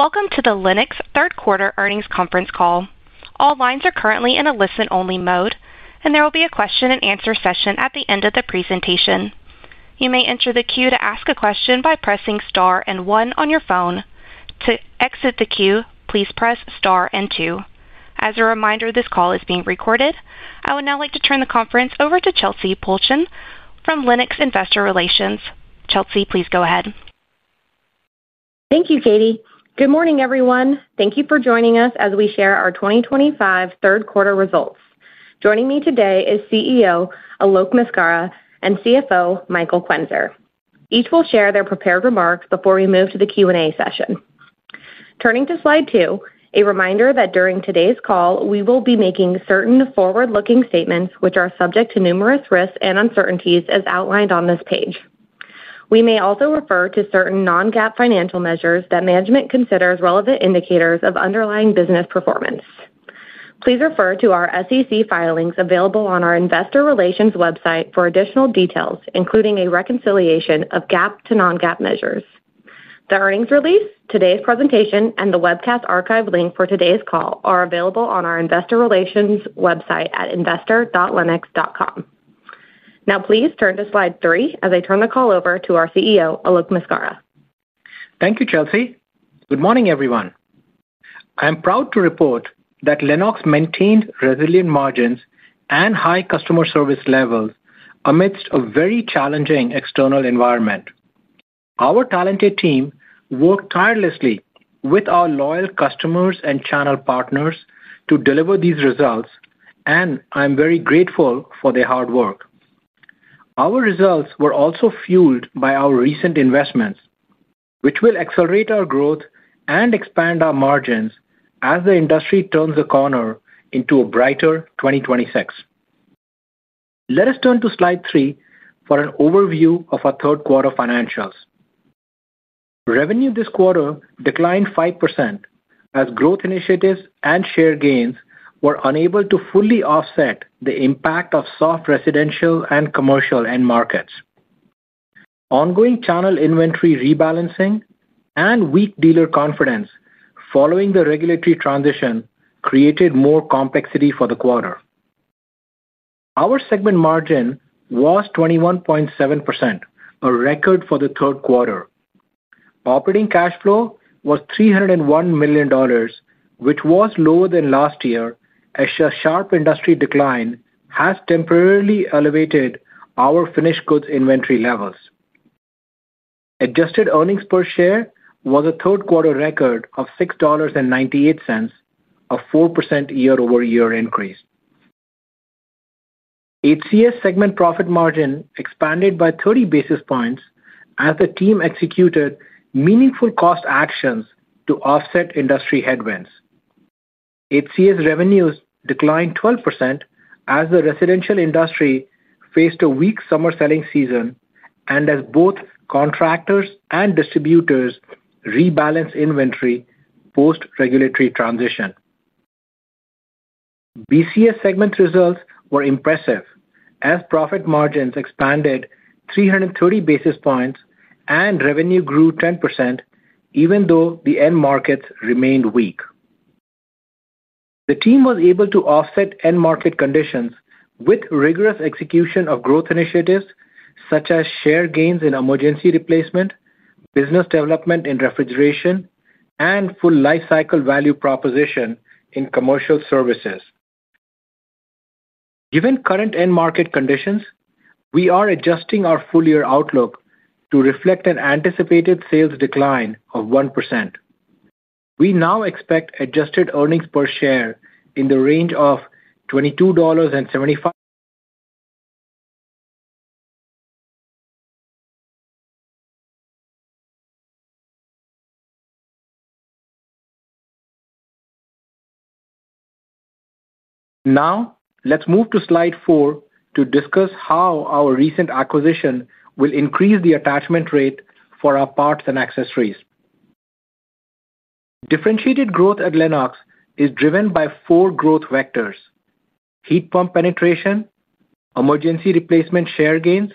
Welcome to the Lennox Third Quarter Earnings Conference Call. All lines are currently in a listen-only mode, and there will be a question and answer session at the end of the presentation. You may enter the queue to ask a question by pressing star and one on your phone. To exit the queue, please press star and two. As a reminder, this call is being recorded. I would now like to turn the conference over to Chelsey Pulcheon from Lennox Investor Relations. Chelsey, please go ahead. Thank you, Katie. Good morning, everyone. Thank you for joining us as we share our 2025 third quarter results. Joining me today is CEO Alok Maskara and CFO Michael Quenzer. Each will share their prepared remarks before we move to the Q&A session. Turning to slide two, a reminder that during today's call, we will be making certain forward-looking statements, which are subject to numerous risks and uncertainties as outlined on this page. We may also refer to certain non-GAAP financial measures that management considers relevant indicators of underlying business performance. Please refer to our SEC filings available on our Investor Relations website for additional details, including a reconciliation of GAAP to non-GAAP measures. The earnings release, today's presentation, and the webcast archive link for today's call are available on our Investor Relations website at investor.lennox.com. Now, please turn to slide three as I turn the call over to our CEO, Alok Maskara. Thank you, Chelsey. Good morning, everyone. I am proud to report that Lennox maintained resilient margins and high customer service levels amidst a very challenging external environment. Our talented team worked tirelessly with our loyal customers and channel partners to deliver these results, and I'm very grateful for their hard work. Our results were also fueled by our recent investments, which will accelerate our growth and expand our margins as the industry turns a corner into a brighter 2026. Let us turn to slide three for an overview of our third quarter financials. Revenue this quarter declined 5% as growth initiatives and share gains were unable to fully offset the impact of soft residential and commercial end markets. Ongoing channel inventory rebalancing and weak dealer confidence following the regulatory transition created more complexity for the quarter. Our segment margin was 21.7%, a record for the third quarter. Operating cash flow was $301 million, which was lower than last year as a sharp industry decline has temporarily elevated our finished goods inventory levels. Adjusted EPS was a third quarter record of $6.98, a 4% year-over-year increase. HCS segment profit margin expanded by 30 basis points as the team executed meaningful cost actions to offset industry headwinds. HCS revenues declined 12% as the residential industry faced a weak summer selling season and as both contractors and distributors rebalanced inventory post-regulatory transition. BCS segment results were impressive as profit margins expanded 330 basis points and revenue grew 10%, even though the end markets remained weak. The team was able to offset end market conditions with rigorous execution of growth initiatives such as share gains in emergency replacement, business development in refrigeration, and full lifecycle value proposition in commercial services. Given current end market conditions, we are adjusting our full-year outlook to reflect an anticipated sales decline of 1%. We now expect adjusted earning per share in the range of $22.75. Now, let's move to slide four to discuss how our recent acquisition will increase the attachment rate for our parts and accessories. Differentiated growth at Lennox is driven by four growth vectors: heat pump penetration, emergency replacement share gains,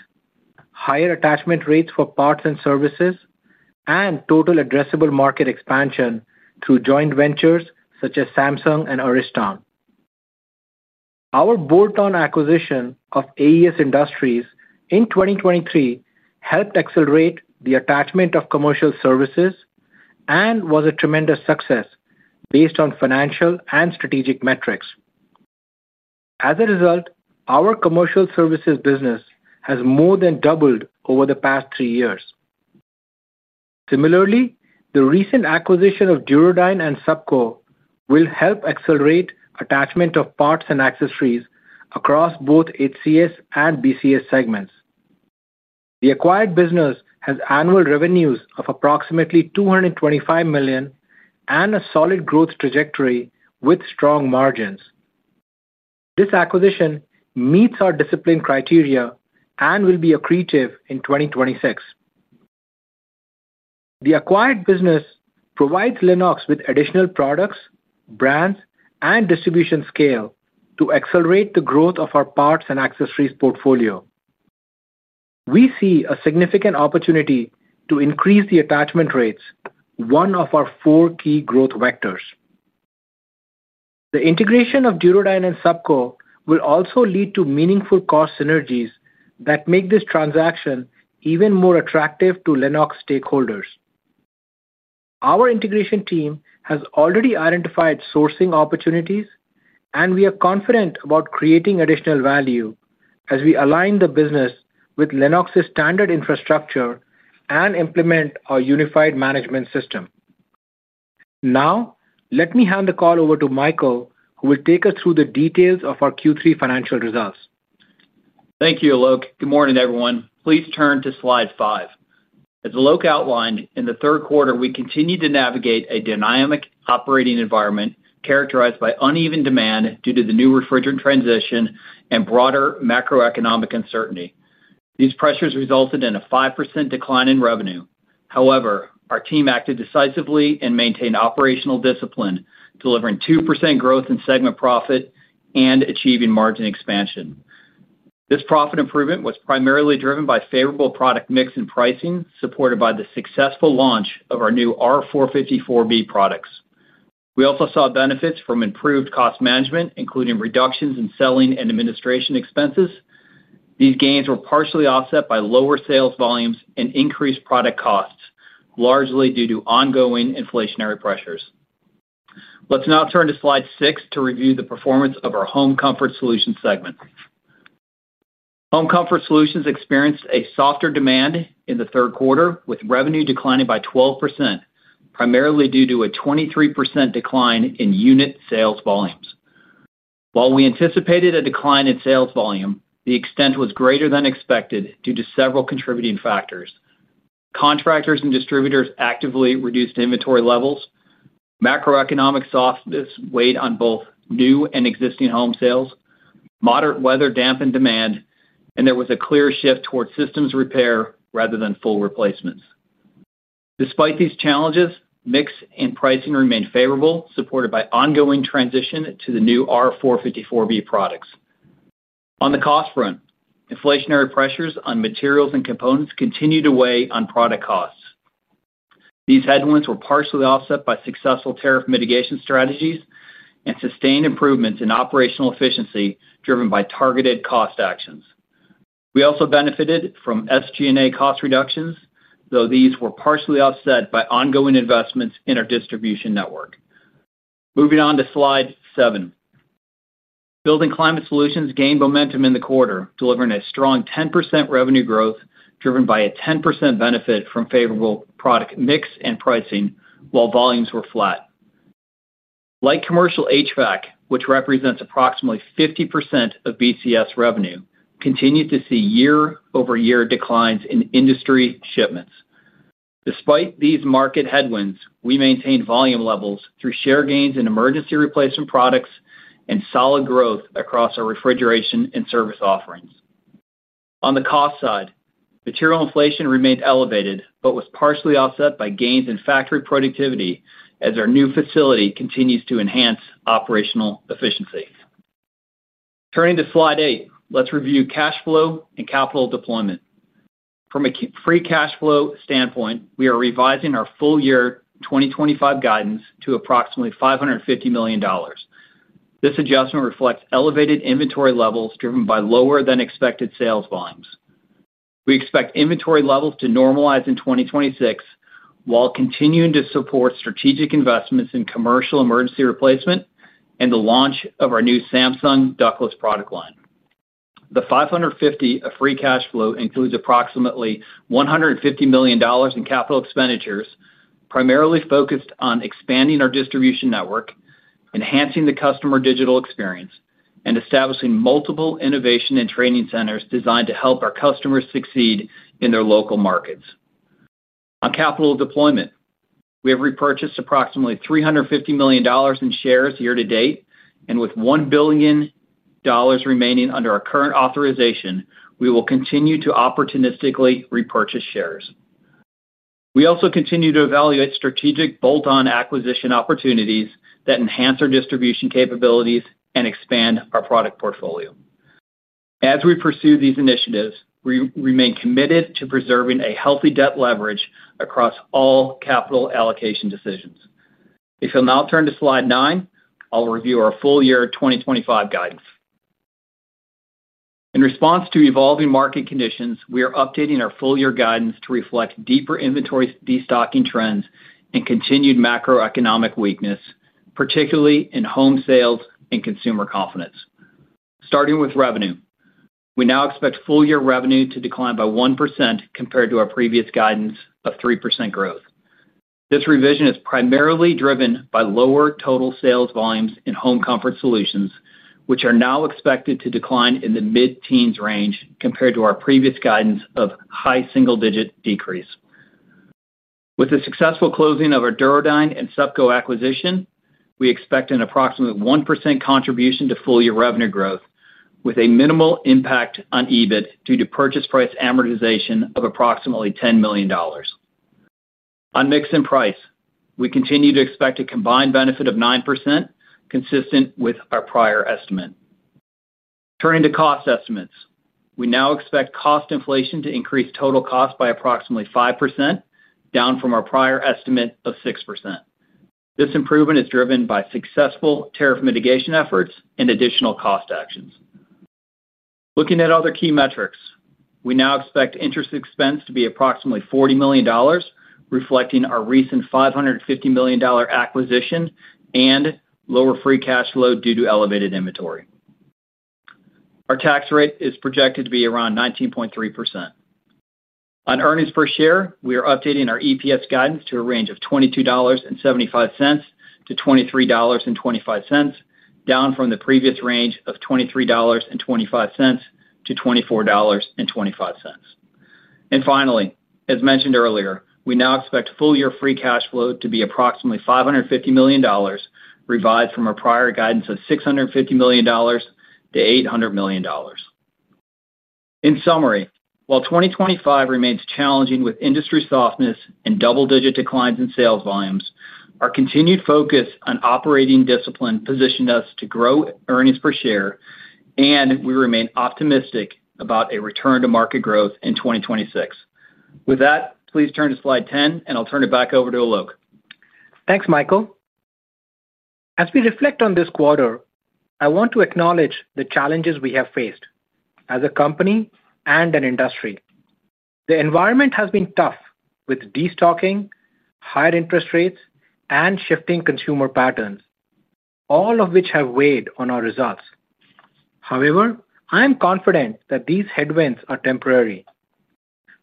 higher attachment rates for parts and services, and total addressable market expansion through joint ventures such as Samsung and Ariston. Our bolt-on acquisition of AES Industries in 2023 helped accelerate the attachment of commercial services and was a tremendous success based on financial and strategic metrics. As a result, our commercial services business has more than doubled over the past three years. Similarly, the recent acquisition of Durodyne and SUPCO will help accelerate attachment of parts and accessories across both HCS and BCS segments. The acquired business has annual revenues of approximately $225 million and a solid growth trajectory with strong margins. This acquisition meets our discipline criteria and will be accretive in 2026. The acquired business provides Lennox with additional products, brands, and distribution scale to accelerate the growth of our parts and accessories portfolio. We see a significant opportunity to increase the attachment rates, one of our four key growth vectors. The integration of Durodyne and SUPCO will also lead to meaningful cost synergies that make this transaction even more attractive to Lennox stakeholders. Our integration team has already identified sourcing opportunities, and we are confident about creating additional value as we align the business with Lennox's standard infrastructure and implement our unified management system. Now, let me hand the call over to Michael, who will take us through the details of our Q3 financial results. Thank you, Alok. Good morning, everyone. Please turn to slide five. As Alok outlined, in the third quarter, we continued to navigate a dynamic operating environment characterized by uneven demand due to the new refrigerant transition and broader macroeconomic uncertainty. These pressures resulted in a 5% decline in revenue. However, our team acted decisively and maintained operational discipline, delivering 2% growth in segment profit and achieving margin expansion. This profit improvement was primarily driven by favorable product mix and pricing, supported by the successful launch of our new R-454B products. We also saw benefits from improved cost management, including reductions in selling and administration expenses. These gains were partially offset by lower sales volumes and increased product costs, largely due to ongoing inflationary pressures. Let's now turn to slide six to review the performance of our Home Comfort Solutions segment. Home Comfort Solutions experienced a softer demand in the third quarter, with revenue declining by 12%, primarily due to a 23% decline in unit sales volumes. While we anticipated a decline in sales volume, the extent was greater than expected due to several contributing factors. Contractors and distributors actively reduced inventory levels. Macroeconomic softness weighed on both new and existing home sales. Moderate weather dampened demand, and there was a clear shift towards systems repair rather than full replacements. Despite these challenges, mix and pricing remained favorable, supported by ongoing transition to the new R-454B products. On the cost front, inflationary pressures on materials and components continue to weigh on product costs. These headwinds were partially offset by successful tariff mitigation strategies and sustained improvements in operational efficiency driven by targeted cost actions. We also benefited from SG&A cost reductions, though these were partially offset by ongoing investments in our distribution network. Moving on to slide seven. Building Climate Solutions gained momentum in the quarter, delivering a strong 10% revenue growth driven by a 10% benefit from favorable product mix and pricing while volumes were flat. Light commercial HVAC, which represents approximately 50% of BCS revenue, continued to see year-over-year declines in industry shipments. Despite these market headwinds, we maintained volume levels through share gains in emergency replacement products and solid growth across our refrigeration and service offerings. On the cost side, material inflation remained elevated but was partially offset by gains in factory productivity as our new facility continues to enhance operational efficiency. Turning to slide eight, let's review cash flow and capital deployment. From a free cash flow standpoint, we are revising our full-year 2025 guidance to approximately $550 million. This adjustment reflects elevated inventory levels driven by lower than expected sales volumes. We expect inventory levels to normalize in 2026 while continuing to support strategic investments in commercial emergency replacement and the launch of our new Samsung ductless product line. The $550 million free cash flow includes approximately $150 million in capital expenditures, primarily focused on expanding our distribution network, enhancing the customer digital experience, and establishing multiple innovation and training centers designed to help our customers succeed in their local markets. On capital deployment, we have repurchased approximately $350 million in shares year to date, and with $1 billion remaining under our current authorization, we will continue to opportunistically repurchase shares. We also continue to evaluate strategic bolt-on acquisition opportunities that enhance our distribution capabilities and expand our product portfolio. As we pursue these initiatives, we remain committed to preserving a healthy debt leverage across all capital allocation decisions. If you'll now turn to slide nine, I'll review our full-year 2025 guidance. In response to evolving market conditions, we are updating our full-year guidance to reflect deeper inventory destocking trends and continued macroeconomic weakness, particularly in home sales and consumer confidence. Starting with revenue, we now expect full-year revenue to decline by 1% compared to our previous guidance of 3% growth. This revision is primarily driven by lower total sales volumes in Home Comfort Solutions, which are now expected to decline in the mid-teens range compared to our previous guidance of high single-digit decrease. With the successful closing of our Durodyne and SUPCO acquisition, we expect an approximately 1% contribution to full-year revenue growth with a minimal impact on EBIT due to purchase price amortization of approximately $10 million. On mix and price, we continue to expect a combined benefit of 9%, consistent with our prior estimate. Turning to cost estimates, we now expect cost inflation to increase total cost by approximately 5%, down from our prior estimate of 6%. This improvement is driven by successful tariff mitigation efforts and additional cost actions. Looking at other key metrics, we now expect interest expense to be approximately $40 million, reflecting our recent $550 million acquisition and lower free cash flow due to elevated inventory. Our tax rate is projected to be around 19.3%. On earnings per share, we are updating our EPS guidance to a range of $22.75 - $23.25, down from the previous range of $23.25 - $24.25. Finally, as mentioned earlier, we now expect full-year free cash flow to be approximately $550 million, revised from our prior guidance of $650 million - $800 million. In summary, while 2025 remains challenging with industry softness and double-digit declines in sales volumes, our continued focus on operating discipline positioned us to grow earnings per share, and we remain optimistic about a return to market growth in 2026. With that, please turn to slide 10, and I'll turn it back over to Alok. Thanks, Michael. As we reflect on this quarter, I want to acknowledge the challenges we have faced as a company and an industry. The environment has been tough with destocking, higher interest rates, and shifting consumer patterns, all of which have weighed on our results. However, I am confident that these headwinds are temporary.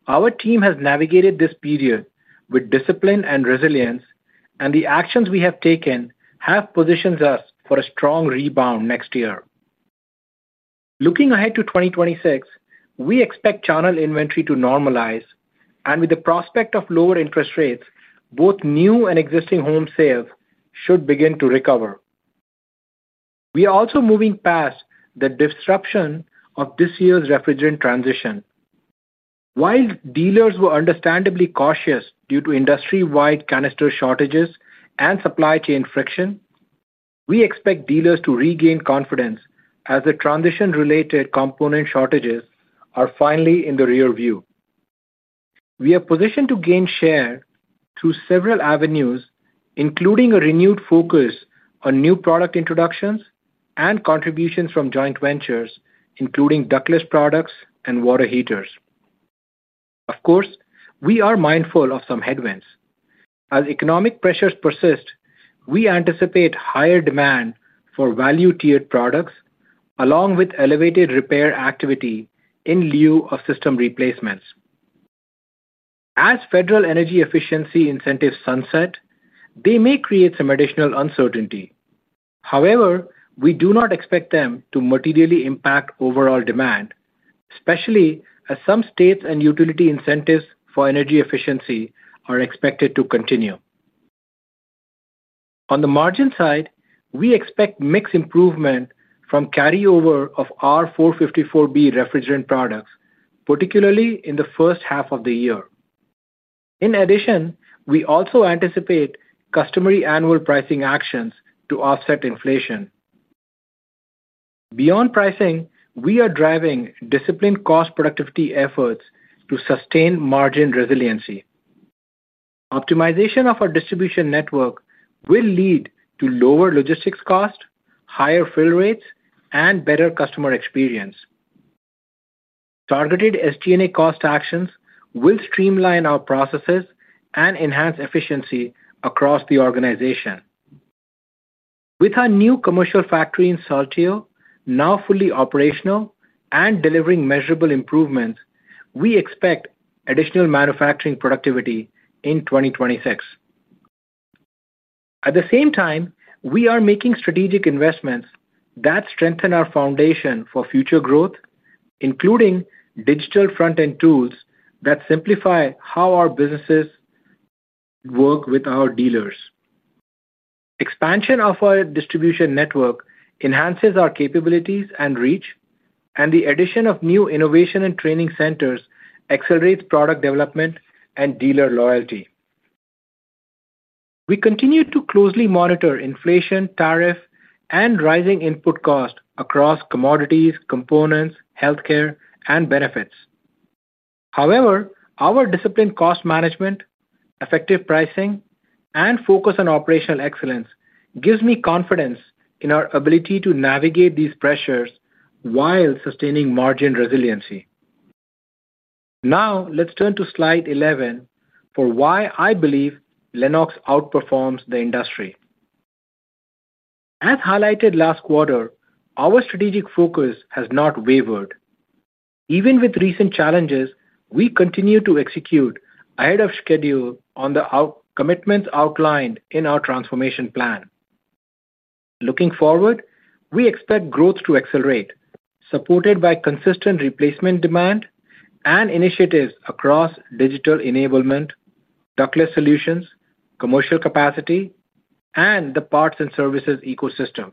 Our team has navigated this period with discipline and resilience, and the actions we have taken have positioned us for a strong rebound next year. Looking ahead to 2026, we expect channel inventory to normalize, and with the prospect of lower interest rates, both new and existing home sales should begin to recover. We are also moving past the disruption of this year's refrigerant transition. While dealers were understandably cautious due to industry-wide canister shortages and supply chain friction, we expect dealers to regain confidence as the transition-related component shortages are finally in the rearview. We are positioned to gain share through several avenues, including a renewed focus on new product introductions and contributions from joint ventures, including ductless products and water heaters. Of course, we are mindful of some headwinds. As economic pressures persist, we anticipate higher demand for value-tiered products, along with elevated repair activity in lieu of system replacements. As federal energy efficiency incentives sunset, they may create some additional uncertainty. However, we do not expect them to materially impact overall demand, especially as some states and utility incentives for energy efficiency are expected to continue. On the margin side, we expect mix improvement from carryover of R-454B refrigerant products, particularly in the first half of the year. In addition, we also anticipate customary annual pricing actions to offset inflation. Beyond pricing, we are driving disciplined cost productivity efforts to sustain margin resiliency. Optimization of our distribution network will lead to lower logistics costs, higher fill rates, and better customer experience. Targeted SG&A cost actions will streamline our processes and enhance efficiency across the organization. With our new commercial factory in Saltillo, now fully operational and delivering measurable improvements, we expect additional manufacturing productivity in 2026. At the same time, we are making strategic investments that strengthen our foundation for future growth, including digital front-end tools that simplify how our businesses work with our dealers. Expansion of our distribution network enhances our capabilities and reach, and the addition of new innovation and training centers accelerates product development and dealer loyalty. We continue to closely monitor inflation, tariff, and rising input costs across commodities, components, healthcare, and benefits. However, our disciplined cost management, effective pricing, and focus on operational excellence give me confidence in our ability to navigate these pressures while sustaining margin resiliency. Now, let's turn to slide 11 for why I believe Lennox International outperforms the industry. As highlighted last quarter, our strategic focus has not wavered. Even with recent challenges, we continue to execute ahead of schedule on the commitments outlined in our transformation plan. Looking forward, we expect growth to accelerate, supported by consistent replacement demand and initiatives across digital enablement, ductless solutions, commercial capacity, and the parts and services ecosystem.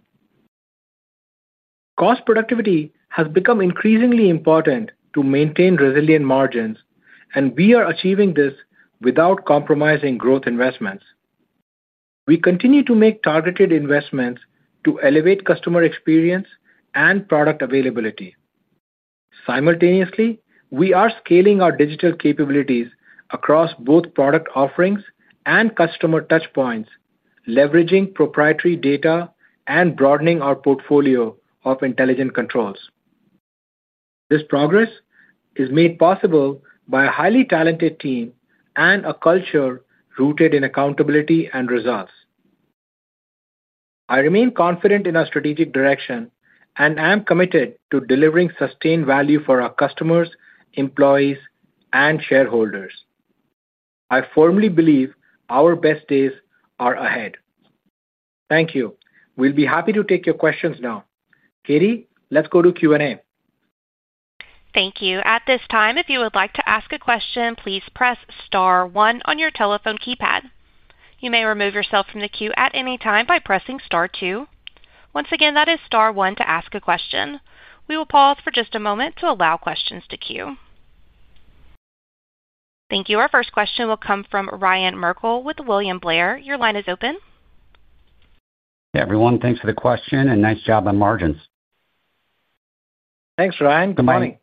Cost productivity has become increasingly important to maintain resilient margins, and we are achieving this without compromising growth investments. We continue to make targeted investments to elevate customer experience and product availability. Simultaneously, we are scaling our digital capabilities across both product offerings and customer touchpoints, leveraging proprietary data and broadening our portfolio of intelligent controls. This progress is made possible by a highly talented team and a culture rooted in accountability and results. I remain confident in our strategic direction and am committed to delivering sustained value for our customers, employees, and shareholders. I firmly believe our best days are ahead. Thank you. We'll be happy to take your questions now. Katie, let's go to Q&A. Thank you. At this time, if you would like to ask a question, please press star one on your telephone keypad. You may remove yourself from the queue at any time by pressing star two. Once again, that is star one to ask a question. We will pause for just a moment to allow questions to queue. Thank you. Our first question will come from Ryan Merkel with William Blair. Your line is open. Hey, everyone. Thanks for the question and nice job on margins. Thanks, Ryan. Good morning.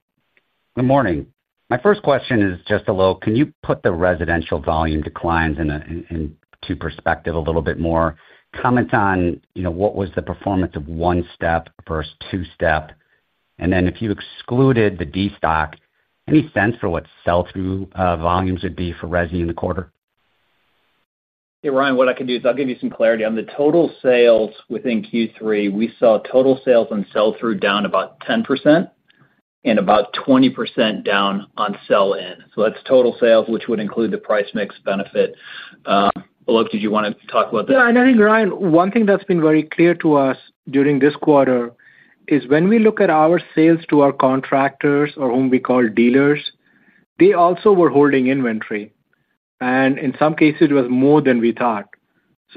Good morning. My first question is, can you put the residential volume declines into perspective a little bit more? Comments on what was the performance of one step versus two step? If you excluded the destock, any sense for what sell-through volumes would be for resi in the quarter? Hey, Ryan, what I can do is I'll give you some clarity. On the total sales within Q3, we saw total sales on sell-through down about 10% and about 20% down on sell-in. That's total sales, which would include the price mix benefit. Alok, did you want to talk about that? Yeah. I think, Ryan, one thing that's been very clear to us during this quarter is when we look at our sales to our contractors, or whom we call dealers, they also were holding inventory. In some cases, it was more than we thought.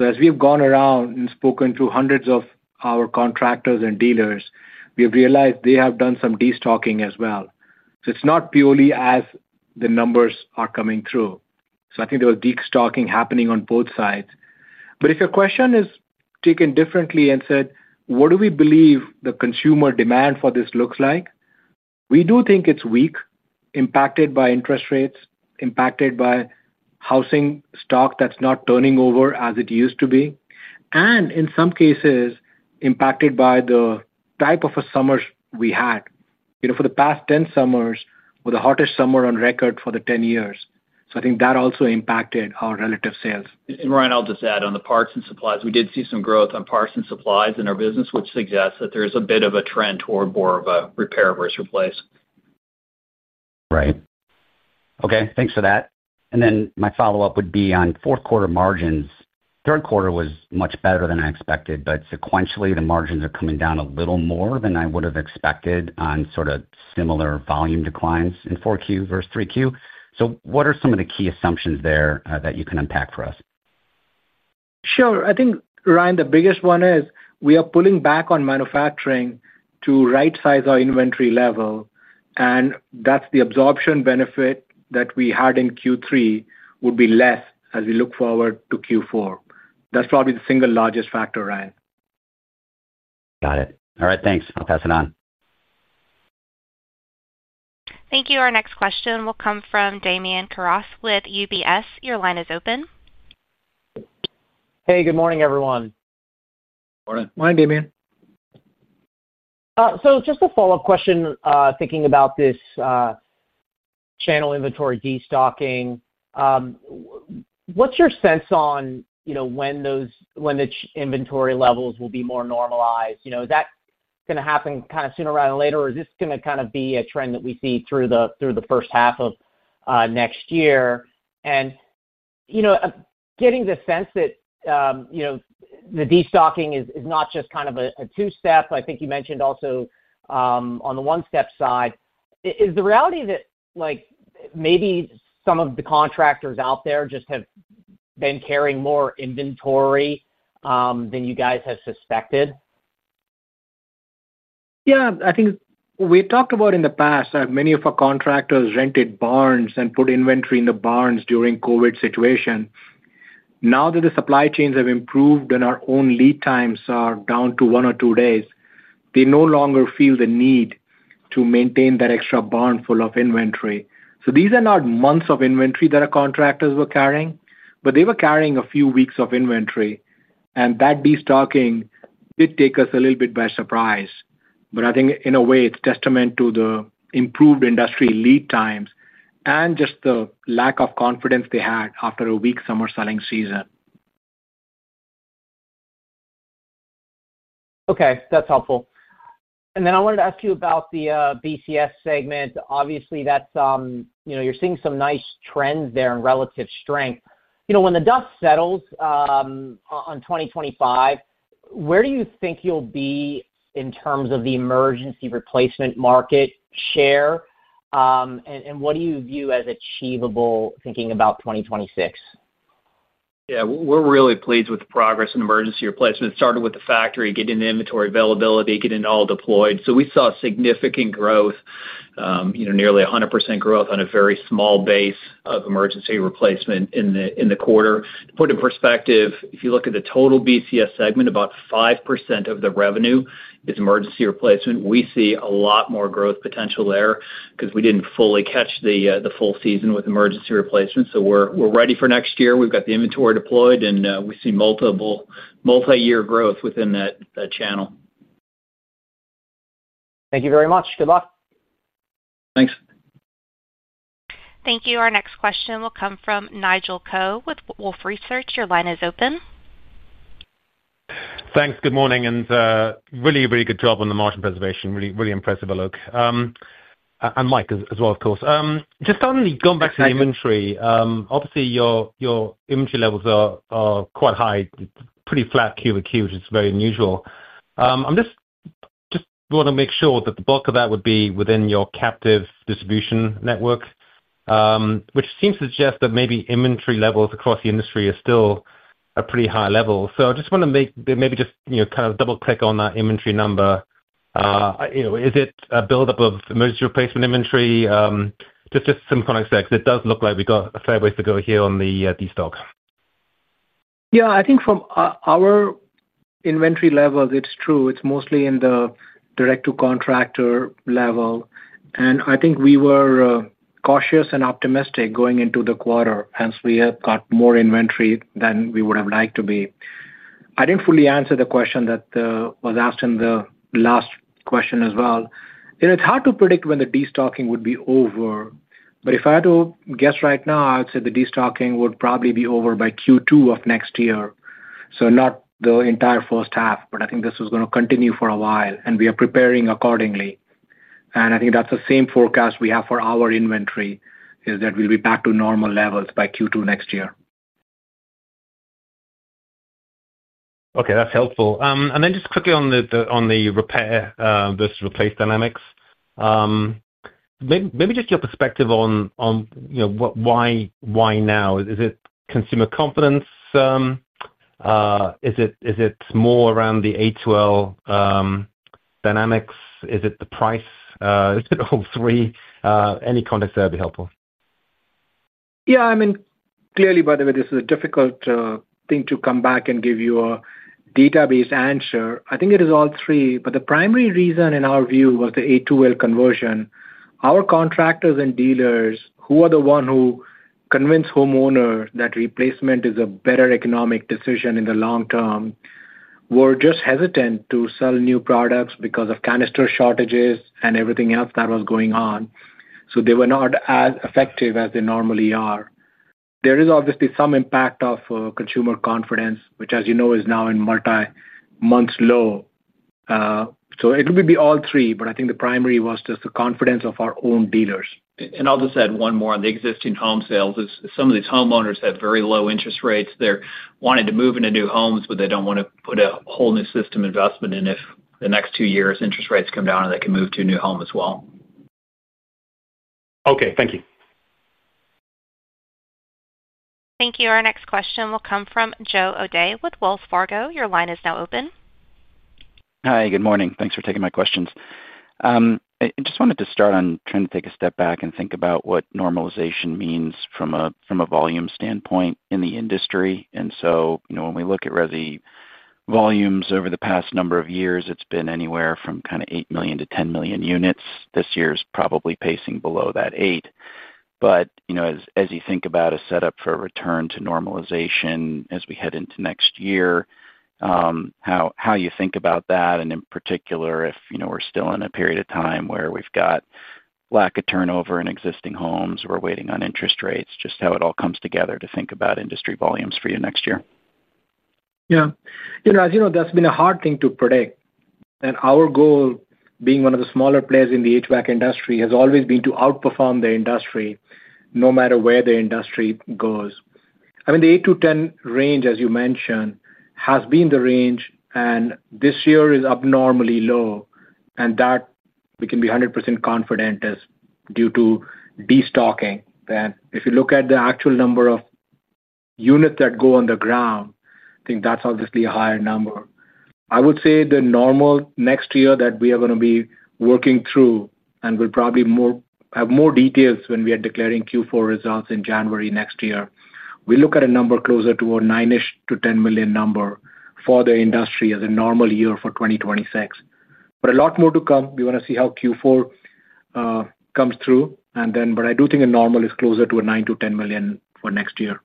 As we have gone around and spoken to hundreds of our contractors and dealers, we have realized they have done some destocking as well. It's not purely as the numbers are coming through. I think there was destocking happening on both sides. If your question is taken differently and said, what do we believe the consumer demand for this looks like? We do think it's weak, impacted by interest rates, impacted by housing stock that's not turning over as it used to be, and in some cases, impacted by the type of summers we had. For the past 10 summers, with the hottest summer on record for the 10 years, I think that also impacted our relative sales. Ryan, I'll just add on the parts and supplies. We did see some growth on parts and supplies in our business, which suggests that there's a bit of a trend toward more of a repair versus replace. Right. Okay. Thanks for that. My follow-up would be on fourth quarter margins. Third quarter was much better than I expected, but sequentially, the margins are coming down a little more than I would have expected on sort of similar volume declines in fourth quarter versus third quarter. What are some of the key assumptions there that you can unpack for us? Sure. I think, Ryan, the biggest one is we are pulling back on manufacturing to right-size our inventory level, and that's the absorption benefit that we had in Q3 would be less as we look forward to Q4. That's probably the single largest factor, Ryan. Got it. All right, thanks. I'll pass it on. Thank you. Our next question will come from Damian Karas with UBS. Your line is open. Hey, good morning, everyone. Morning. Morning, Damian. Just a follow-up question, thinking about this channel inventory destocking. What's your sense on when those inventory levels will be more normalized? You know, is that going to happen kind of sooner rather than later, or is this going to kind of be a trend that we see through the first half of next year? I'm getting the sense that the destocking is not just kind of a two-step, but I think you mentioned also, on the one-step side. Is the reality that maybe some of the contractors out there just have been carrying more inventory than you guys have suspected? Yeah, I think we've talked about in the past, many of our contractors rented barns and put inventory in the barns during COVID situations. Now that the supply chains have improved and our own lead times are down to one or two days, they no longer feel the need to maintain that extra barn full of inventory. These are not months of inventory that our contractors were carrying, but they were carrying a few weeks of inventory. That destocking did take us a little bit by surprise. I think in a way, it's a testament to the improved industry lead times and just the lack of confidence they had after a weak summer selling season. Okay. That's helpful. I wanted to ask you about the BCS segment. Obviously, that's, you know, you're seeing some nice trends there in relative strength. When the dust settles on 2025, where do you think you'll be in terms of the emergency replacement market share, and what do you view as achievable thinking about 2026? Yeah. We're really pleased with the progress in emergency replacement. It started with the factory, getting the inventory availability, getting it all deployed. We saw significant growth, you know, nearly 100% growth on a very small base of emergency replacement in the quarter. To put it in perspective, if you look at the total BCS segment, about 5% of the revenue is emergency replacement. We see a lot more growth potential there because we didn't fully catch the full season with emergency replacement. We're ready for next year. We've got the inventory deployed, and we see multiple multi-year growth within that channel. Thank you very much. Good luck. Thanks. Thank you. Our next question will come from Nigel Coe with Wolfe Research. Your line is open. Thanks. Good morning. Really, a really good job on the margin preservation. Really, really impressive, Alok. And Mike as well, of course. On the going back to the inventory, obviously, your inventory levels are quite high. It's pretty flat Q to Q, which is very unusual. I just want to make sure that the bulk of that would be within your captive distribution network, which seems to suggest that maybe inventory levels across the industry are still a pretty high level. I just want to maybe just, you know, kind of double-click on that inventory number. You know, is it a build-up of emergency replacement inventory? Just some context there, because it does look like we've got a fair ways to go here on the destock. Yeah. I think from our inventory levels, it's true. It's mostly in the direct-to-contractor level. I think we were cautious and optimistic going into the quarter, hence we have got more inventory than we would have liked to be. I didn't fully answer the question that was asked in the last question as well. You know, it's hard to predict when the destocking would be over. If I had to guess right now, I would say the destocking would probably be over by Q2 of next year. Not the entire first half, but I think this is going to continue for a while, and we are preparing accordingly. I think that's the same forecast we have for our inventory, that we'll be back to normal levels by Q2 next year. Okay. That's helpful. Just quickly on the repair versus replace dynamics, maybe your perspective on why now? Is it consumer confidence? Is it more around the A12 dynamics? Is it the price? Is it all three? Any context there would be helpful. Yeah. I mean, clearly, this is a difficult thing to come back and give you a database answer. I think it is all three, but the primary reason in our view was the A2L conversion. Our contractors and dealers, who are the ones who convince homeowners that replacement is a better economic decision in the long term, were just hesitant to sell new products because of canister shortages and everything else that was going on. They were not as effective as they normally are. There is obviously some impact of consumer confidence, which, as you know, is now in multi-months low. It will be all three, but I think the primary was just the confidence of our own dealers. I'll just add one more on the existing home sales. Some of these homeowners have very low interest rates. They're wanting to move into new homes, but they don't want to put a whole new system investment in if the next two years interest rates come down and they can move to a new home as well. Okay, thank you. Thank you. Our next question will come from Joe O’Dea with Wells Fargo. Your line is now open. Hi. Good morning. Thanks for taking my questions. I just wanted to start on trying to take a step back and think about what normalization means from a volume standpoint in the industry. When we look at resi volumes over the past number of years, it's been anywhere from kind of 8 million - 10 million units. This year is probably pacing below that eight. As you think about a setup for a return to normalization as we head into next year, how you think about that, and in particular, if you know we're still in a period of time where we've got lack of turnover in existing homes or waiting on interest rates, just how it all comes together to think about industry volumes for you next year. Yeah. You know, as you know, that's been a hard thing to predict. Our goal, being one of the smaller players in the HVAC industry, has always been to outperform the industry no matter where the industry goes. I mean, the 8 to 10 range, as you mentioned, has been the range, and this year is abnormally low. We can be 100% confident that is due to destocking. If you look at the actual number of units that go on the ground, I think that's obviously a higher number. I would say the normal next year that we are going to be working through, and we'll probably have more details when we are declaring Q4 results in January next year, we look at a number closer to a 9 million - 10 million number for the industry as a normal year for 2026. A lot more to come. We want to see how Q4 comes through. I do think a normal is closer to a 9 million - 10 million for next year.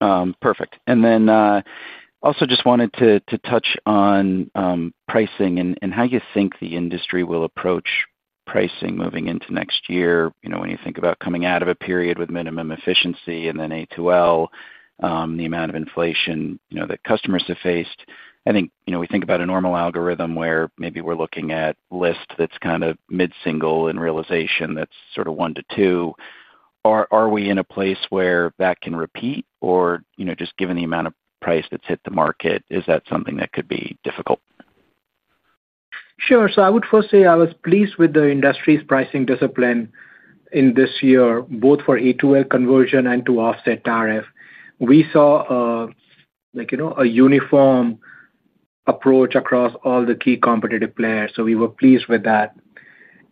Perfect. I also just wanted to touch on pricing and how you think the industry will approach pricing moving into next year. You know, when you think about coming out of a period with minimum efficiency and then A2L, the amount of inflation that customers have faced, I think, you know, we think about a normal algorithm where maybe we're looking at lists that's kind of mid-single and realization that's sort of one to two. Are we in a place where that can repeat or, you know, just given the amount of price that's hit the market, is that something that could be difficult? Sure. I would first say I was pleased with the industry's pricing discipline this year, both for A2L conversion and to offset tariff. We saw a uniform approach across all the key competitive players. We were pleased with that.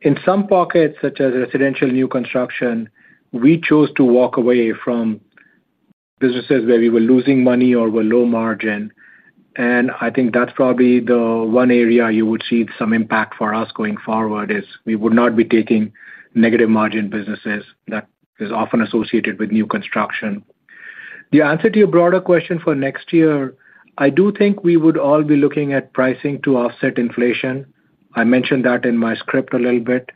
In some pockets, such as residential new construction, we chose to walk away from businesses where we were losing money or were low margin. I think that's probably the one area you would see some impact for us going forward, as we would not be taking negative margin businesses that are often associated with new construction. The answer to your broader question for next year, I do think we would all be looking at pricing to offset inflation. I mentioned that in my script a little bit.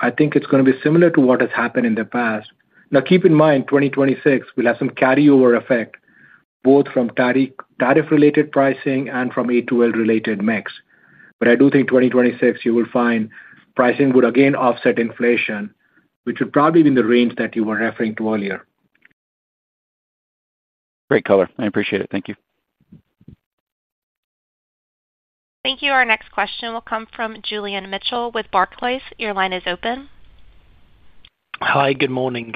I think it's going to be similar to what has happened in the past. Keep in mind, 2026 will have some carryover effect, both from tariff-related pricing and from A2L-related mix. I do think 2026, you will find pricing would again offset inflation, which would probably be in the range that you were referring to earlier. Great cover. I appreciate it. Thank you. Thank you. Our next question will come from Julian Mitchell with Barclays. Your line is open. Hi. Good morning.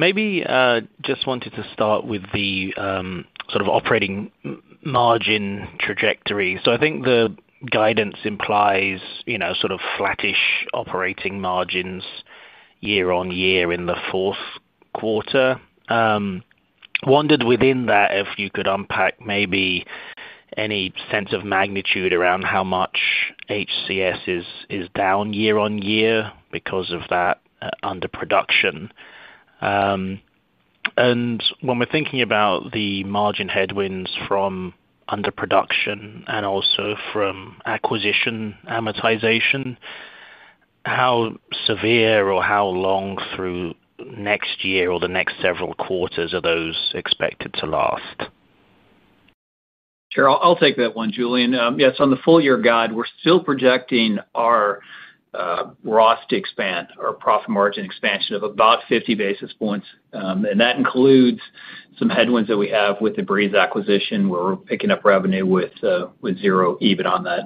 Maybe I just wanted to start with the sort of operating margin trajectory. I think the guidance implies, you know, sort of flattish operating margins year-over-year in the fourth quarter. Wondered within that if you could unpack maybe any sense of magnitude around how much HCS is down year-over-year because of that underproduction. When we're thinking about the margin headwinds from underproduction and also from acquisition amortization, how severe or how long through next year or the next several quarters are those expected to last? Sure. I'll take that one, Julian. Yes, on the full-year guide, we're still projecting our ROS to expand or profit margin expansion of about 50 basis points. That includes some headwinds that we have with the Breeze acquisition where we're picking up revenue with zero EBITDA on that.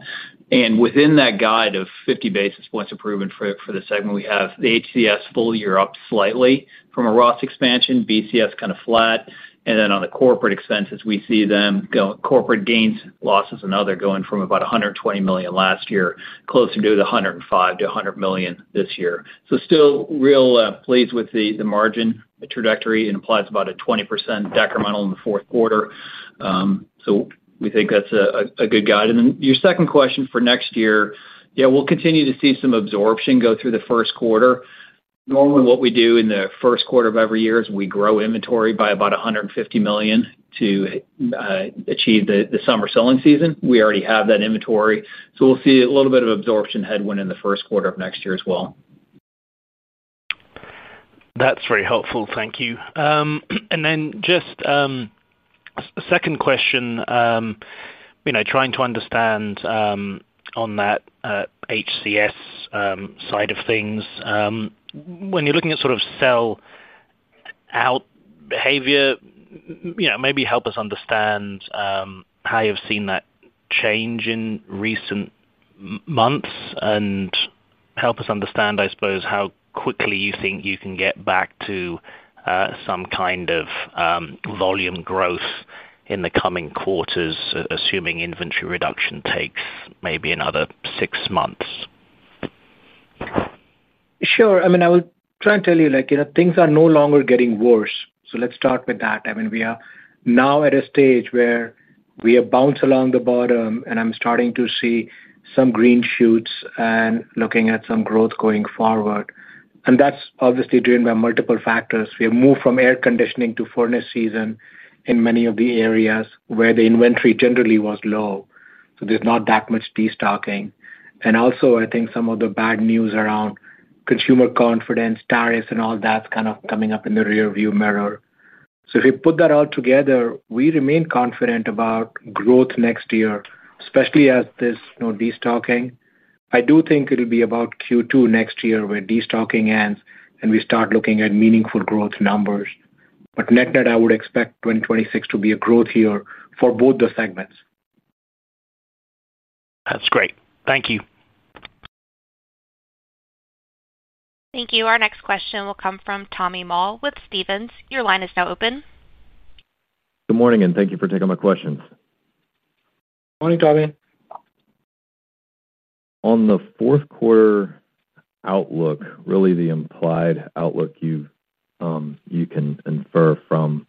Within that guide of 50 basis points approved for the segment, we have the HCS full year up slightly from a ROS expansion, BCS kind of flat. On the corporate expenses, we see them going corporate gains, losses, and other going from about $120 million last year, closer to the $105 million to $100 million this year. Still real pleased with the margin trajectory. It implies about a 20% decremental in the fourth quarter. We think that's a good guide. Your second question for next year, yeah, we'll continue to see some absorption go through the first quarter. Normally, what we do in the first quarter of every year is we grow inventory by about $150 million to achieve the summer selling season. We already have that inventory. We'll see a little bit of absorption headwind in the first quarter of next year as well. That's very helpful. Thank you. Just a second question, trying to understand on that HCS side of things. When you're looking at sort of sell-out behavior, maybe help us understand how you've seen that change in recent months and help us understand, I suppose, how quickly you think you can get back to some kind of volume growth in the coming quarters, assuming inventory reduction takes maybe another six months. Sure. I mean, I will try and tell you, like, you know, things are no longer getting worse. Let's start with that. I mean, we are now at a stage where we are bouncing along the bottom, and I'm starting to see some green shoots and looking at some growth going forward. That's obviously driven by multiple factors. We have moved from air conditioning to furnace season in many of the areas where the inventory generally was low, so there's not that much destocking. I think some of the bad news around consumer confidence, tariffs, and all that's kind of coming up in the rearview mirror. If you put that all together, we remain confident about growth next year, especially as this destocking. I do think it'll be about Q2 next year where destocking ends and we start looking at meaningful growth numbers. Net-net, I would expect 2026 to be a growth year for both the segments. That's great. Thank you. Thank you. Our next question will come from Tommy Moll with Stephens. Your line is now open. Good morning, and thank you for taking my questions. Morning, Tommy. On the fourth quarter outlook, really the implied outlook you can infer from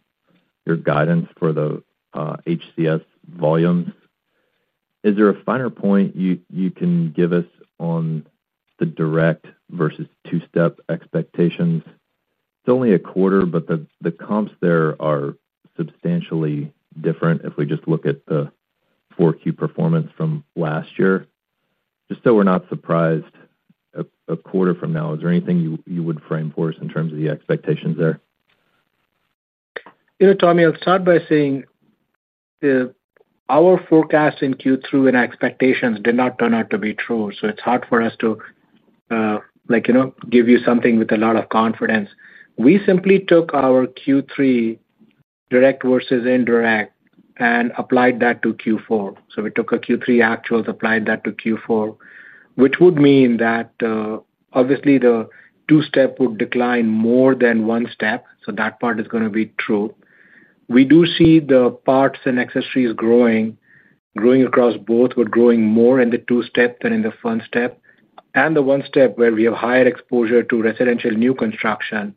your guidance for the HCS volumes, is there a finer point you can give us on the direct versus two-step expectations? It's only a quarter, but the comps there are substantially different if we just look at the fourth quarter performance from last year. Just so we're not surprised a quarter from now, is there anything you would frame for us in terms of the expectations there? Tommy, I'll start by saying our forecast in Q2 and expectations did not turn out to be true. It's hard for us to give you something with a lot of confidence. We simply took our Q3 direct versus indirect and applied that to Q4. We took a Q3 actual, applied that to Q4, which would mean that, obviously, the two-step would decline more than one-step. That part is going to be true. We do see the parts and accessories growing across both, but growing more in the two-step than in the one-step. In the one-step, where we have higher exposure to residential new construction,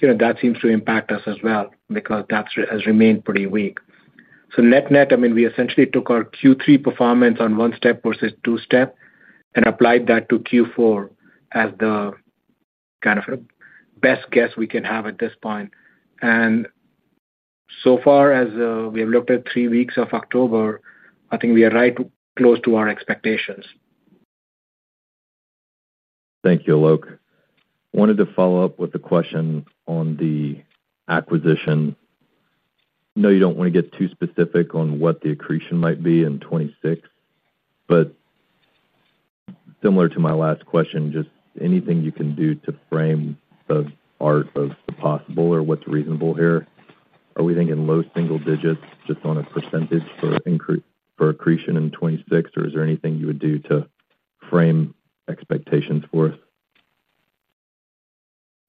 that seems to impact us as well because that has remained pretty weak. Net-net, we essentially took our Q3 performance on one-step versus two-step and applied that to Q4 as the kind of best guess we can have at this point. As we have looked at three weeks of October, I think we are right close to our expectations. Thank you, Alok. I wanted to follow up with a question on the acquisition. I know you don't want to get too specific on what the accretion might be in 2026, but similar to my last question, just anything you can do to frame the art of the possible or what's reasonable here. Are we thinking low single digits just on a % for accretion in 2026, or is there anything you would do to frame expectations for us?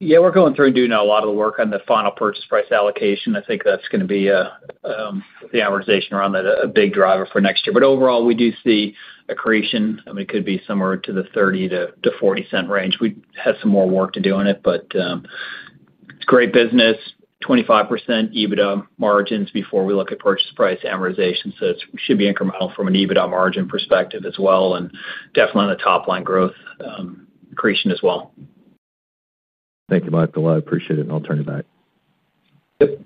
Yeah, we're going through and doing a lot of the work on the final purchase price allocation. I think that's going to be, the amortization around that a big driver for next year. Overall, we do see accretion. I mean, it could be somewhere to the $0.30 - $0.40 range. We have some more work to do on it, but it's great business, 25% EBITDA margins before we look at purchase price amortization. It should be incremental from an EBITDA margin perspective as well, and definitely on the top line growth, accretion as well. Thank you, Michael. I appreciate it. I'll turn it back. Yep.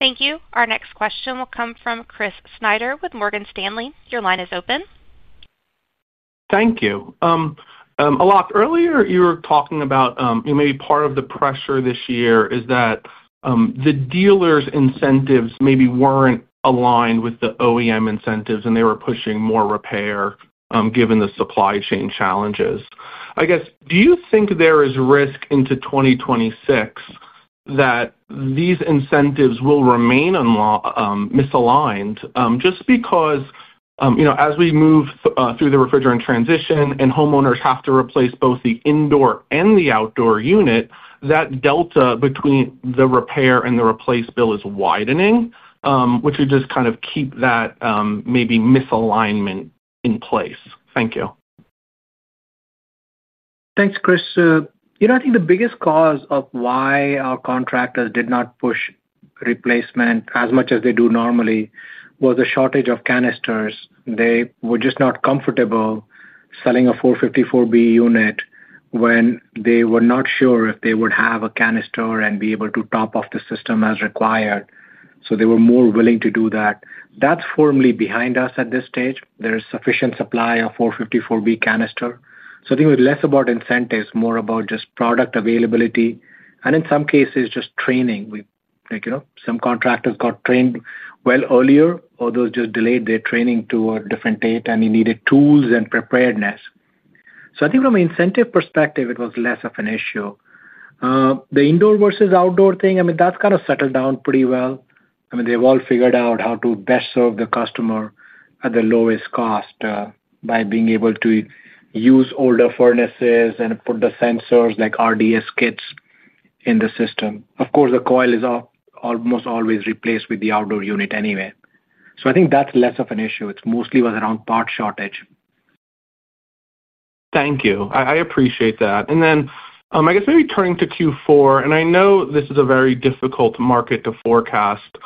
Thank you. Our next question will come from Chris Snyder with Morgan Stanley. Your line is open. Thank you. Earlier, you were talking about maybe part of the pressure this year is that the dealers' incentives maybe weren't aligned with the OEM incentives, and they were pushing more repair, given the supply chain challenges. Do you think there is risk into 2026 that these incentives will remain misaligned? Just because, as we move through the refrigerant transition and homeowners have to replace both the indoor and the outdoor unit, that delta between the repair and the replace bill is widening, which would just kind of keep that maybe misalignment in place. Thank you. Thanks, Chris. I think the biggest cause of why our contractors did not push replacement as much as they do normally was a shortage of canisters. They were just not comfortable selling a 454B unit when they were not sure if they would have a canister and be able to top off the system as required. They were more willing to do that. That's firmly behind us at this stage. There is sufficient supply of 454B canister. I think it was less about incentives, more about just product availability, and in some cases, just training. We think some contractors got trained well earlier, others just delayed their training to a different date, and they needed tools and preparedness. I think from an incentive perspective, it was less of an issue. The indoor versus outdoor thing, I mean, that's kind of settled down pretty well. They've all figured out how to best serve the customer at the lowest cost by being able to use older furnaces and put the sensors like RDS kits in the system. Of course, the coil is almost always replaced with the outdoor unit anyway. I think that's less of an issue. It mostly was around part shortage. Thank you. I appreciate that. Maybe turning to Q4, I know this is a very difficult market to forecast,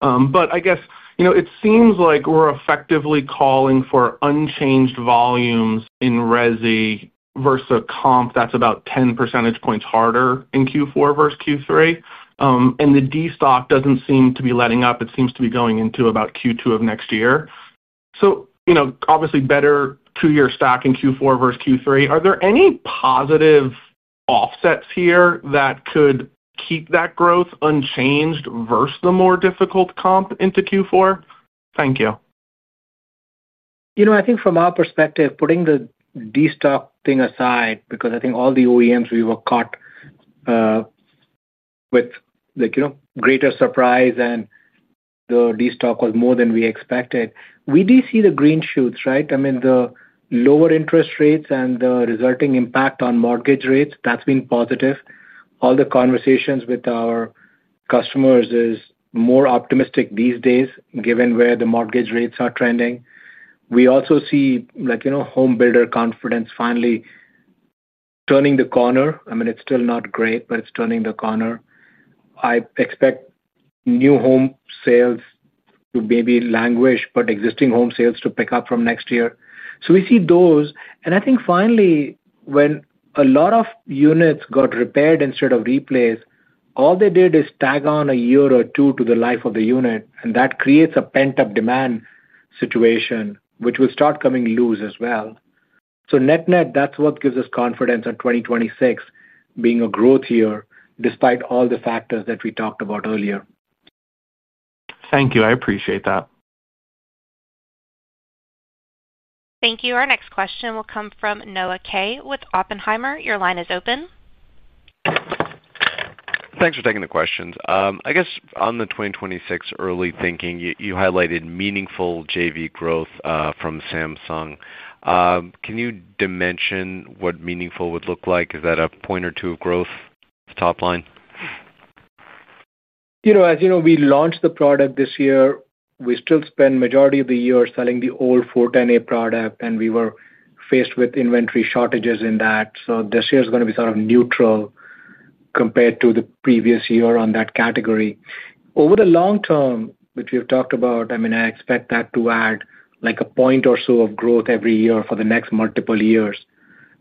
but it seems like we're effectively calling for unchanged volumes in resi versus comp that's about 10% harder in Q4 versus Q3. The destock doesn't seem to be letting up. It seems to be going into about Q2 of next year. Obviously, better two-year stock in Q4 versus Q3. Are there any positive offsets here that could keep that growth unchanged versus the more difficult comp into Q4? Thank you. I think from our perspective, putting the destock thing aside, because I think all the OEMs were caught with greater surprise and the destock was more than we expected, we do see the green shoots, right? The lower interest rates and the resulting impact on mortgage rates, that's been positive. All the conversations with our customers are more optimistic these days given where the mortgage rates are trending. We also see home builder confidence finally turning the corner. It's still not great, but it's turning the corner. I expect new home sales to maybe languish, but existing home sales to pick up from next year. We see those. Finally, when a lot of units got repaired instead of replaced, all they did is tag on a year or two to the life of the unit, and that creates a pent-up demand situation, which will start coming loose as well. Net-net, that's what gives us confidence on 2026 being a growth year despite all the factors that we talked about earlier. Thank you. I appreciate that. Thank you. Our next question will come from Noah Kaye with Oppenheimer. Your line is open. Thanks for taking the questions. I guess on the 2026 early thinking, you highlighted meaningful JV growth from Samsung. Can you dimension what meaningful would look like? Is that a point or two of growth top line? As you know, we launched the product this year. We still spent the majority of the year selling the old 410A product, and we were faced with inventory shortages in that. This year is going to be sort of neutral compared to the previous year on that category. Over the long term, which we have talked about, I expect that to add like a point or so of growth every year for the next multiple years.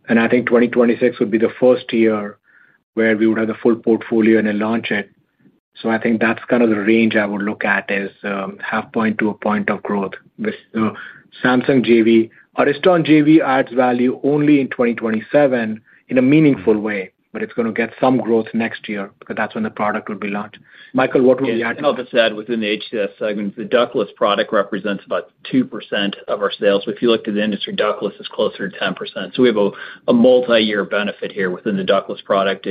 I think 2026 would be the first year where we would have the full portfolio and then launch it. I think that's kind of the range I would look at, half point to a point of growth. The Samsung JV, Ariston JV adds value only in 2027 in a meaningful way, but it's going to get some growth next year because that's when the product will be launched. Michael, what would you add? Within the HCS segment, the ductless product represents about 2% of our sales. If you look at the industry, ductless is closer to 10%. We have a multi-year benefit here within the ductless product.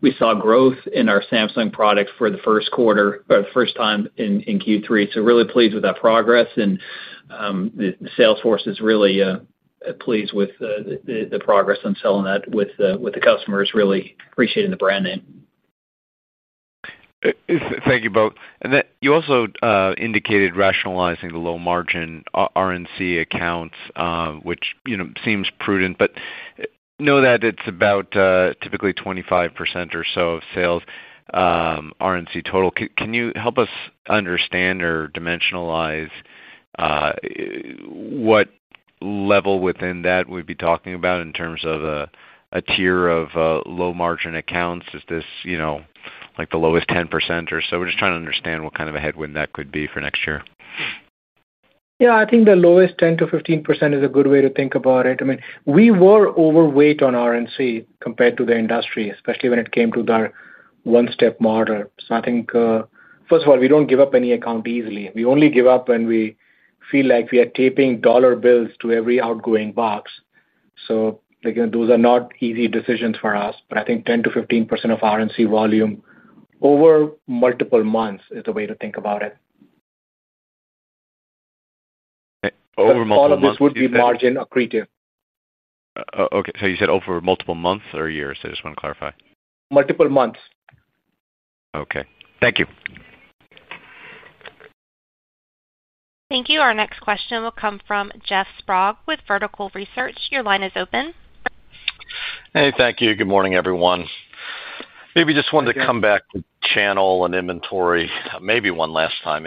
We saw growth in our Samsung product for the first time in Q3. Really pleased with that progress. The sales force is really pleased with the progress on selling that, with the customers really appreciating the brand name. Thank you both. You also indicated rationalizing the low margin R&C accounts, which seems prudent, but know that it's about typically 25% or so of sales R&C total. Can you help us understand or dimensionalize what level within that we'd be talking about in terms of a tier of low margin accounts? Is this like the lowest 10% or so? We're just trying to understand what kind of a headwind that could be for next year. Yeah, I think the lowest 10% - 15% is a good way to think about it. I mean, we were overweight on R&C compared to the industry, especially when it came to our one-step model. I think, first of all, we don't give up any account easily. We only give up when we feel like we are taping dollar bills to every outgoing box. Those are not easy decisions for us. I think 10% - 15% of R&C volume over multiple months is the way to think about it. Over multiple months. All of this would be margin accretive. Okay, you said over multiple months or years? I just want to clarify. Multiple months. Okay, thank you. Thank you. Our next question will come from Jeff Sprague with Vertical Research. Your line is open. Hey, thank you. Good morning, everyone. Maybe just wanted to come back to channel inventory one last time.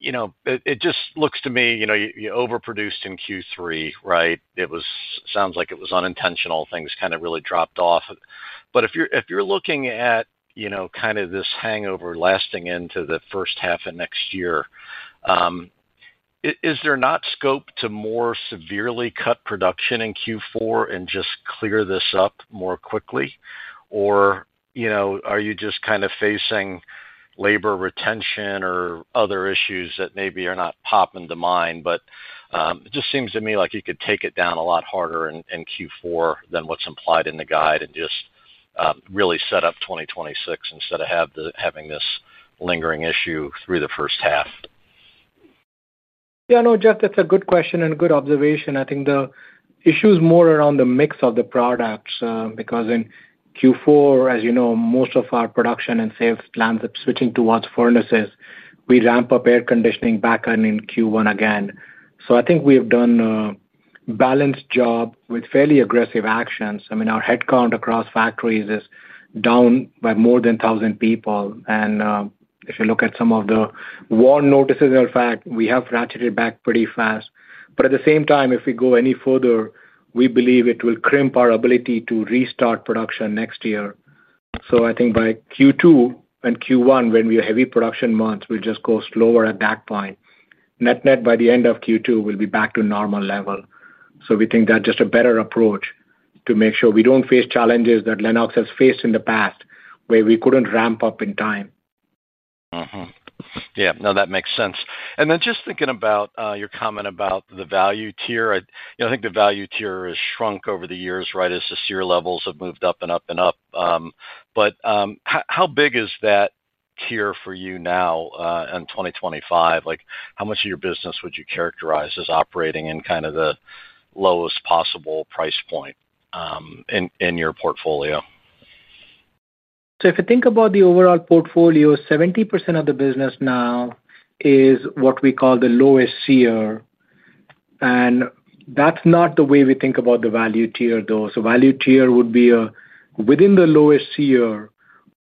You know, it just looks to me, you overproduced in Q3, right? It sounds like it was unintentional. Things kind of really dropped off. If you're looking at this hangover lasting into the first half of next year, is there not scope to more severely cut production in Q4 and just clear this up more quickly? Are you just kind of facing labor retention or other issues that maybe are not popping to mind? It just seems to me like you could take it down a lot harder in Q4 than what's implied in the guide and just really set up 2026 instead of having this lingering issue through the first half. Yeah. No, Jeff, that's a good question and a good observation. I think the issue is more around the mix of the products because in Q4, as you know, most of our production and sales plans are switching towards furnaces. We ramp up air conditioning back in Q1 again. I think we have done a balanced job with fairly aggressive actions. Our headcount across factories is down by more than 1,000 people. If you look at some of the WARN notices and all that, we have ratcheted back pretty fast. At the same time, if we go any further, we believe it will crimp our ability to restart production next year. I think by Q2 and Q1, when we have heavy production months, we'll just go slower at that point. Net-net, by the end of Q2, we'll be back to normal level. We think that's just a better approach to make sure we don't face challenges that Lennox International has faced in the past where we couldn't ramp up in time. Yeah, no, that makes sense. Just thinking about your comment about the value tier, I think the value tier has shrunk over the years, right, as the SEER levels have moved up and up and up. How big is that tier for you now in 2025? How much of your business would you characterize as operating in kind of the lowest possible price point in your portfolio? If I think about the overall portfolio, 70% of the business now is what we call the lowest CR. That's not the way we think about the value tier, though. Value tier would be within the lowest CR.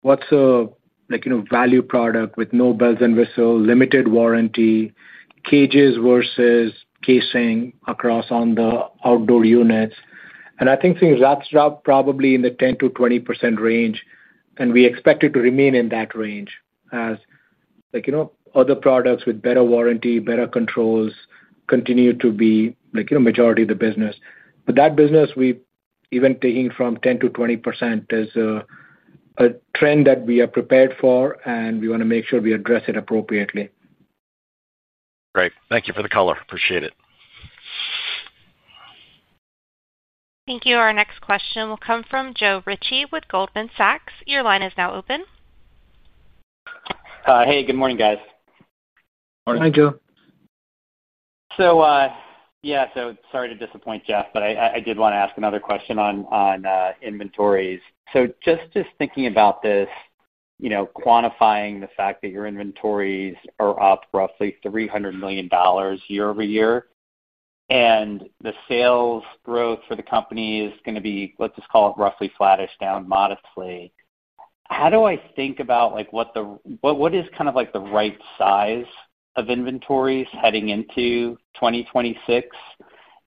What's a, like, you know, value product with no bells and whistles, limited warranty, cages versus casing across on the outdoor units? I think things ratchet up probably in the 10% - 20% range. We expect it to remain in that range as, like, you know, other products with better warranty, better controls continue to be, like, you know, majority of the business. That business, even taking from 10% - 20%, is a trend that we are prepared for, and we want to make sure we address it appropriately. Great. Thank you for the color. Appreciate it. Thank you. Our next question will come from Joe Ritchie with Goldman Sachs. Your line is now open. Hey, good morning, guys. Morning. Hi, Joe. Sorry to disappoint Jeff, but I did want to ask another question on inventories. Just thinking about this, quantifying the fact that your inventories are up roughly $300 million year-over-year, and the sales growth for the company is going to be, let's just call it roughly flattish down modestly. How do I think about what is kind of the right size of inventories heading into 2026?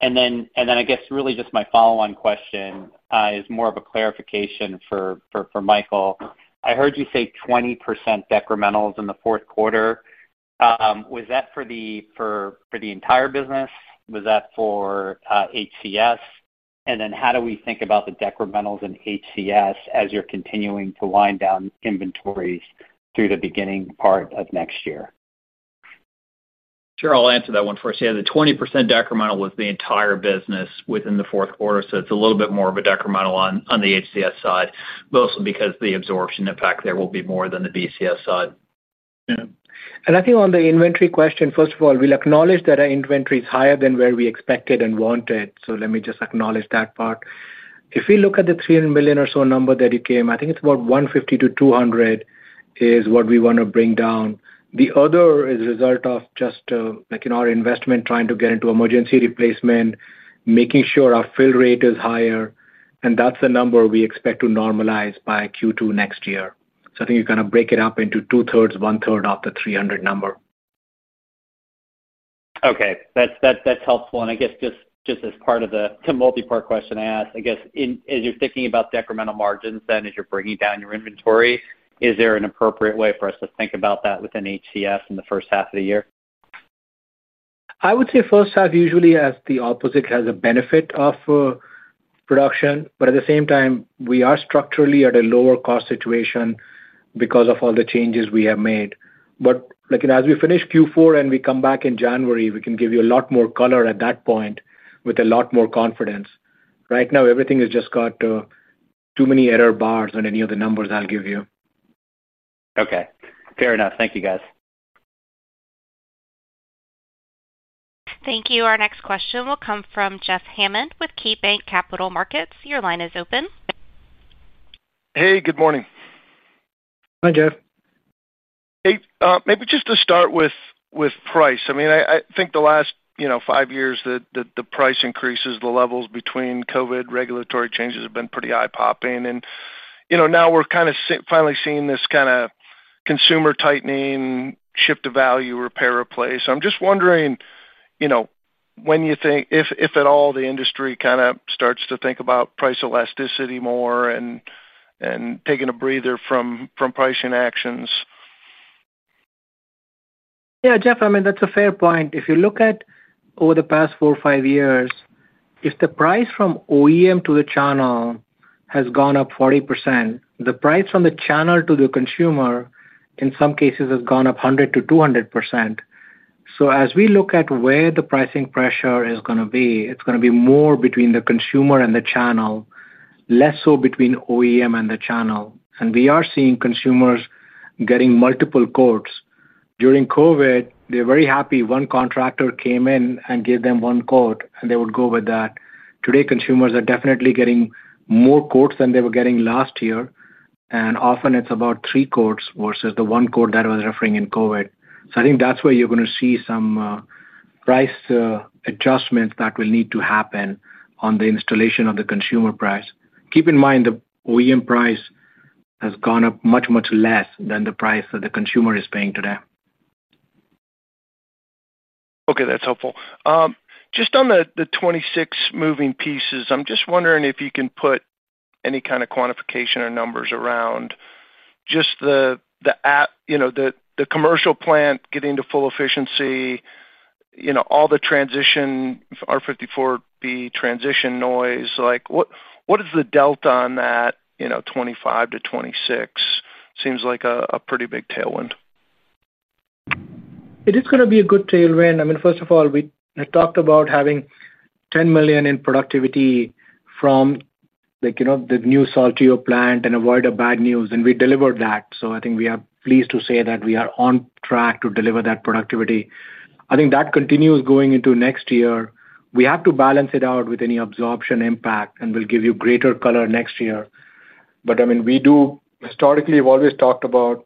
I guess really just my follow-on question is more of a clarification for Michael. I heard you say 20% decrementals in the fourth quarter. Was that for the entire business? Was that for HCS? How do we think about the decrementals in HCS as you're continuing to wind down inventories through the beginning part of next year? Sure. I'll answer that one first. Yeah, the 20% decremental was the entire business within the fourth quarter. It is a little bit more of a decremental on the HCS side, mostly because the absorption impact there will be more than the BCS side. Yeah. I think on the inventory question, first of all, we'll acknowledge that our inventory is higher than where we expected and wanted. Let me just acknowledge that part. If we look at the $300 million or so number that you came, I think it's about $150 million - $200 million is what we want to bring down. The other is a result of just, like, in our investment trying to get into emergency replacement, making sure our fill rate is higher. That's the number we expect to normalize by Q2 next year. I think you kind of break it up into two-thirds, one-third of the $300 million number. Okay. That's helpful. Just as part of the multi-part question I asked, as you're thinking about decremental margins and as you're bringing down your inventory, is there an appropriate way for us to think about that within HCS in the first half of the year? I would say first half usually, as the opposite, has a benefit of production. At the same time, we are structurally at a lower cost situation because of all the changes we have made. As we finish Q4 and we come back in January, we can give you a lot more color at that point with a lot more confidence. Right now, everything has just got too many error bars on any of the numbers I'll give you. Okay. Fair enough. Thank you, guys. Thank you. Our next question will come from Jeff Hammond with KeyBanc Capital Markets. Your line is open. Hey, good morning. Hi, Jeff. Maybe just to start with price. I think the last five years, the price increases, the levels between COVID regulatory changes have been pretty eye-popping. Now we're kind of finally seeing this kind of consumer tightening, shift to value, repair, replace. I'm just wondering, when you think, if at all, the industry kind of starts to think about price elasticity more and taking a breather from pricing actions. Yeah, Jeff, I mean, that's a fair point. If you look at over the past four or five years, if the price from OEM to the channel has gone up 40%, the price from the channel to the consumer, in some cases, has gone up 100% - 200%. As we look at where the pricing pressure is going to be, it's going to be more between the consumer and the channel, less so between OEM and the channel. We are seeing consumers getting multiple quotes. During COVID, they were very happy. One contractor came in and gave them one quote, and they would go with that. Today, consumers are definitely getting more quotes than they were getting last year. Often, it's about three quotes versus the one quote that I was referring to in COVID. I think that's where you're going to see some price adjustments that will need to happen on the installation of the consumer price. Keep in mind the OEM price has gone up much, much less than the price that the consumer is paying today. Okay. That's helpful. Just on the 2026 moving pieces, I'm just wondering if you can put any kind of quantification or numbers around just the, you know, the commercial plant getting to full efficiency, all the transition, R-454B transition noise. What is the delta on that, 2025 to 2026? Seems like a pretty big tailwind. It is going to be a good tailwind. First of all, we talked about having $10 million in productivity from, like, you know, the new Saltillo plant and avoid bad news. We delivered that. I think we are pleased to say that we are on track to deliver that productivity. I think that continues going into next year. We have to balance it out with any absorption impact, and we'll give you greater color next year. We do historically have always talked about,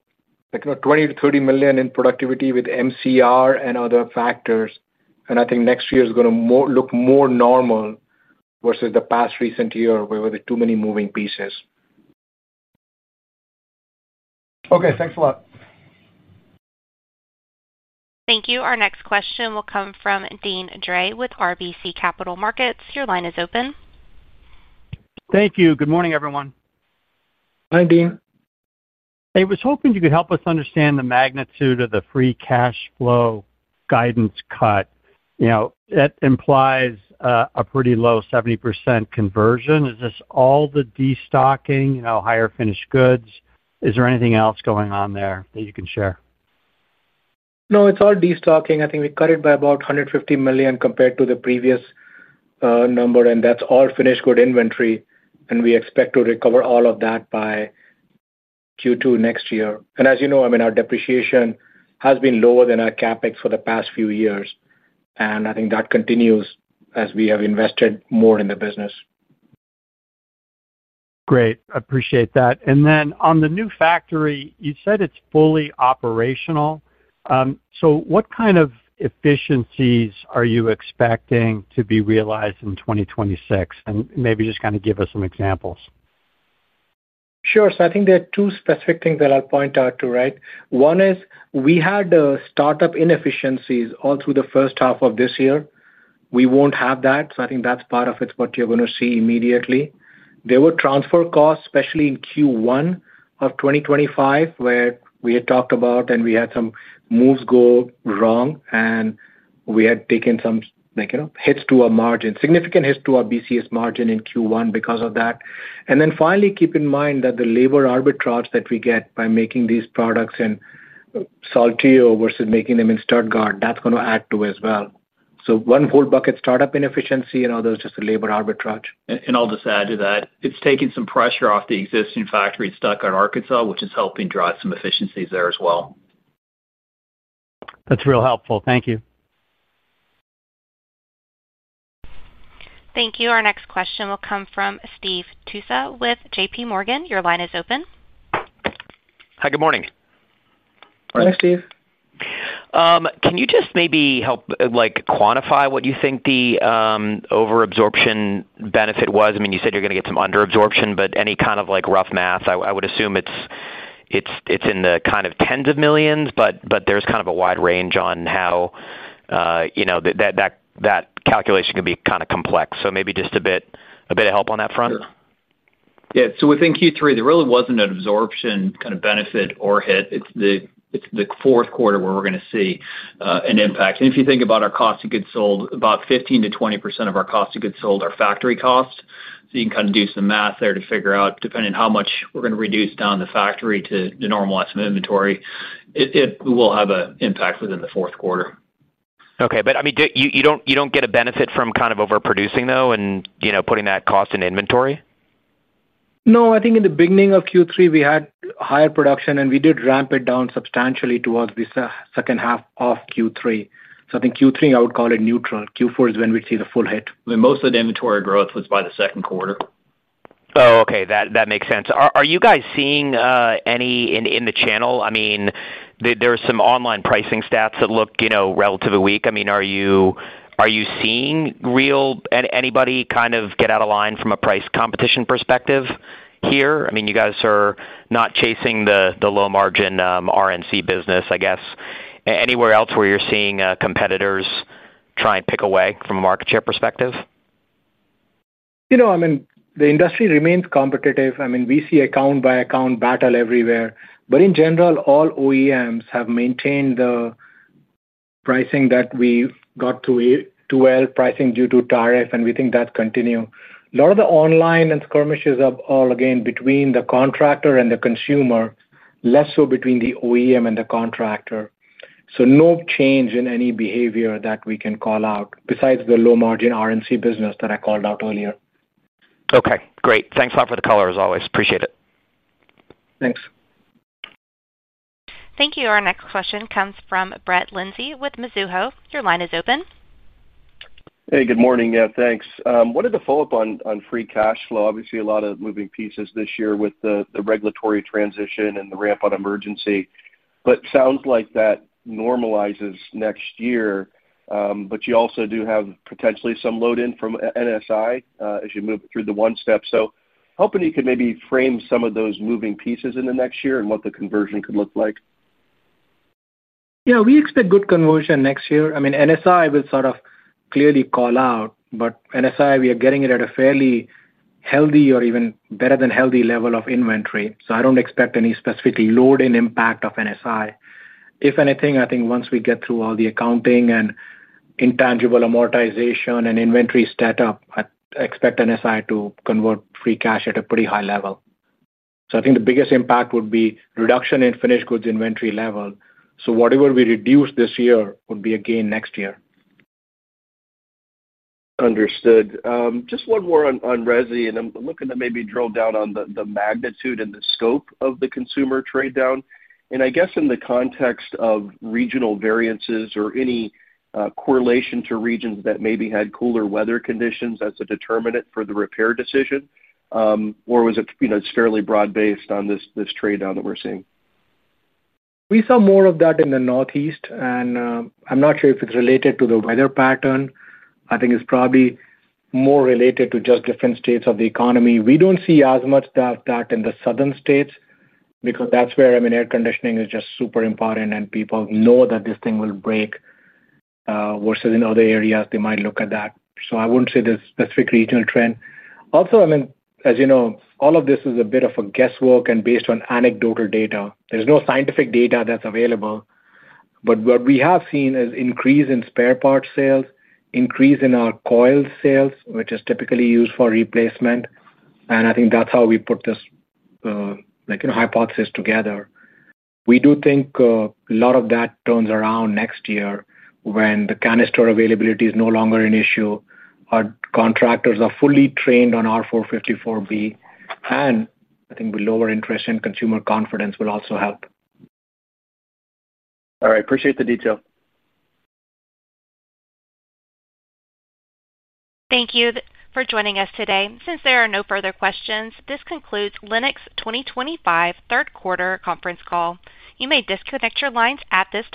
like, you know, $20 million - $30 million in productivity with MCR and other factors. I think next year is going to look more normal versus the past recent year where there were too many moving pieces. Okay, thanks a lot. Thank you. Our next question will come from Deane Dray with RBC Capital Markets. Your line is open. Thank you. Good morning, everyone. Hi, Dean. Hey, I was hoping you could help us understand the magnitude of the free cash flow guidance cut. You know, that implies a pretty low 70% conversion. Is this all the destocking, you know, higher finished goods? Is there anything else going on there that you can share? No, it's all destocking. I think we cut it by about $150 million compared to the previous number, and that's all finished good inventory. We expect to recover all of that by Q2 next year. As you know, our depreciation has been lower than our CapEx for the past few years. I think that continues as we have invested more in the business. Great. I appreciate that. On the new factory, you said it's fully operational. What kind of efficiencies are you expecting to be realized in 2026? Maybe just kind of give us some examples. Sure. I think there are two specific things that I'll point out to, right? One is we had startup inefficiencies all through the first half of this year. We won't have that. I think that's part of it, it's what you're going to see immediately. There were transfer costs, especially in Q1 of 2025, where we had talked about and we had some moves go wrong. We had taken some, like, you know, hits to our margin, significant hits to our BCS margin in Q1 because of that. Finally, keep in mind that the labor arbitrage that we get by making these products in Saltillo versus making them in Stuttgart, that's going to add to as well. One whole bucket is startup inefficiency and the other is just the labor arbitrage. It is taking some pressure off the existing factory in Stuttgart, Arkansas, which is helping drive some efficiencies there as well. That's really helpful. Thank you. Thank you. Our next question will come from Steve Tusa with JPMorgan. Your line is open. Hi, good morning. Hi, Steve. Can you just maybe help quantify what you think the over-absorption benefit was? I mean, you said you're going to get some under-absorption, but any kind of rough math, I would assume it's in the tens of millions, but there's a wide range on how that calculation can be kind of complex. Maybe just a bit of help on that front. Yeah. Within Q3, there really wasn't an absorption kind of benefit or hit. It's the fourth quarter where we're going to see an impact. If you think about our cost of goods sold, about 15% - 20% of our cost of goods sold are factory costs. You can kind of do some math there to figure out, depending on how much we're going to reduce down the factory to normalize some inventory, it will have an impact within the fourth quarter. Okay. You don't get a benefit from kind of overproducing, though, and, you know, putting that cost in inventory? No. I think in the beginning of Q3, we had higher production, and we did ramp it down substantially towards the second half of Q3. I think Q3, I would call it neutral. Q4 is when we'd see the full hit. Most of the inventory growth was by the second quarter. Oh, okay. That makes sense. Are you guys seeing any in the channel? I mean, there are some online pricing stats that look, you know, relatively weak. I mean, are you seeing real anybody kind of get out of line from a price competition perspective here? I mean, you guys are not chasing the low margin R&C business, I guess. Anywhere else where you're seeing competitors try and pick away from a market share perspective? The industry remains competitive. We see account-by-account battle everywhere. In general, all OEMs have maintained the pricing that we got to, too, well, pricing due to tariff, and we think that's continued. A lot of the online and skirmishes are all again between the contractor and the consumer, less so between the OEM and the contractor. No change in any behavior that we can call out besides the low margin R&C business that I called out earlier. Okay. Great. Thanks a lot for the color, as always. Appreciate it. Thanks. Thank you. Our next question comes from Brett Linzey with Mizuho. Your line is open. Hey, good morning. Yeah, thanks. I wanted to follow up on free cash flow. Obviously, a lot of moving pieces this year with the regulatory transition and the ramp-up emergency. It sounds like that normalizes next year. You also do have potentially some load-in from NSI as you move through the one step. Hoping you can maybe frame some of those moving pieces in the next year and what the conversion could look like. We expect good conversion next year. NSI will sort of clearly call out, but NSI, we are getting it at a fairly healthy or even better than healthy level of inventory. I don't expect any specific load-in impact of NSI. If anything, I think once we get through all the accounting and intangible amortization and inventory setup, I expect NSI to convert free cash at a pretty high level. I think the biggest impact would be reduction in finished goods inventory level. Whatever we reduce this year would be a gain next year. Understood. Just one more on resi, and I'm looking to maybe drill down on the magnitude and the scope of the consumer trade down. I guess in the context of regional variances or any correlation to regions that maybe had cooler weather conditions as a determinant for the repair decision, or was it fairly broad-based on this trade down that we're seeing? We saw more of that in the Northeast, and I'm not sure if it's related to the weather pattern. I think it's probably more related to just different states of the economy. We don't see as much of that in the southern states because that's where, I mean, air conditioning is just super important, and people know that this thing will break versus in other areas, they might look at that. I wouldn't say there's a specific regional trend. Also, as you know, all of this is a bit of guesswork and based on anecdotal data. There's no scientific data that's available. What we have seen is an increase in spare parts sales, increase in our coil sales, which is typically used for replacement. I think that's how we put this hypothesis together. We do think a lot of that turns around next year when the canister availability is no longer an issue, our contractors are fully trained on R-454B, and I think with lower interest and consumer confidence will also help. All right. Appreciate the detail. Thank you for joining us today. Since there are no further questions, this concludes Lennox 2025 third quarter conference call. You may disconnect your lines at this time.